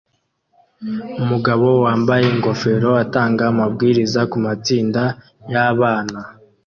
Umugabo wambaye ingofero atanga amabwiriza kumatsinda yabana